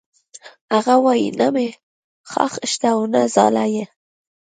هغه وایی نه مې خاښ شته او نه ځاله